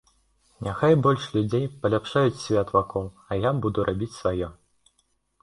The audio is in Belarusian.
Няхай больш людзей паляпшаюць свет вакол, а я буду рабіць сваё.